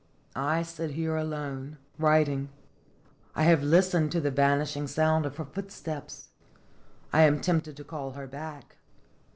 1 sit here alone, writing. I have listened to the vanishing sound of her footsteps; I am tempted to call them back.